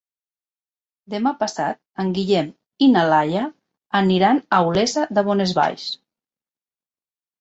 Demà passat en Guillem i na Laia aniran a Olesa de Bonesvalls.